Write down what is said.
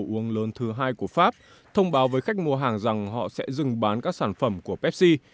đồ uống lớn thứ hai của pháp thông báo với khách mua hàng rằng họ sẽ dừng bán các sản phẩm của pepsi